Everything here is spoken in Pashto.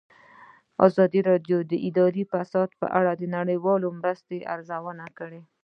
ازادي راډیو د اداري فساد په اړه د نړیوالو مرستو ارزونه کړې.